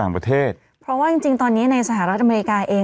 เพราะว่าจริงในสหรัฐอเมริกาเอง